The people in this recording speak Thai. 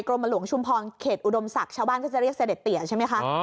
รมหลวงชุมพรเขตอุดมศักดิ์ชาวบ้านก็จะเรียกเสด็จเตี๋ยใช่ไหมคะ